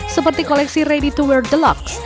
seperti koleksi ready to wear deluxe